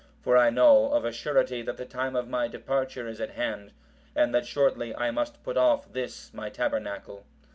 For I know of a surety that the time of my departure is at hand, and that shortly I must put off this my tabernacle."